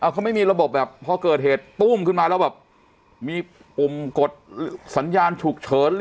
เขาไม่มีระบบแบบพอเกิดเหตุตู้มขึ้นมาแล้วแบบมีปุ่มกดสัญญาณฉุกเฉิน